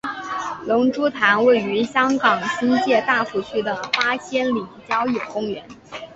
龙珠潭位于香港新界大埔区的八仙岭郊野公园。